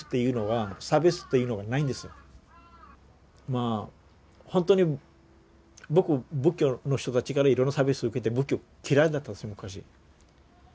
まあほんとに僕仏教の人たちからいろいろな差別受けて仏教嫌いだったんですよ昔。